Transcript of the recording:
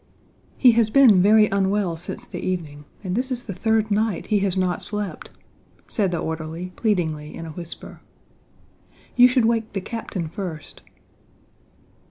"He has been very unwell since the evening and this is the third night he has not slept," said the orderly pleadingly in a whisper. "You should wake the captain first."